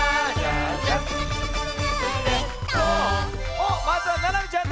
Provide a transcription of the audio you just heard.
おっまずはななみちゃんだ。